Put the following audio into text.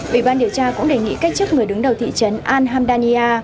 vị ban điều tra cũng đề nghị cách chức người đứng đầu thị trấn al hamdaniya